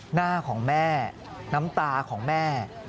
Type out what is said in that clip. หน้าของแม่น้ำตาของแม่